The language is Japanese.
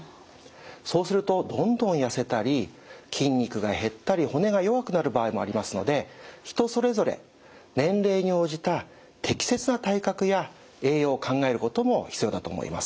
そうするとどんどんやせたり筋肉が減ったり骨が弱くなる場合もありますので人それぞれ年齢に応じた適切な体格や栄養を考えることも必要だと思います。